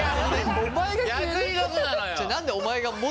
お前が。